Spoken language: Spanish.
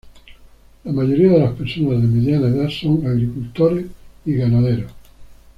La mayoría de las personas de mediana edad son agricultores y ganaderos.